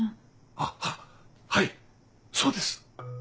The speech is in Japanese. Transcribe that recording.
あっはいそうです！